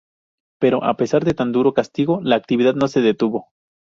Pero, a pesar de tan duro castigo, la actividad no se detuvo.